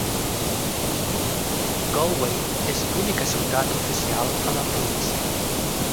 Galway és l'única ciutat oficial a la província.